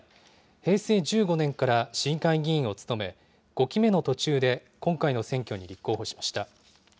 平成１５年から市議会議員を務め、５期目の途中で今回の選挙に立候補しました。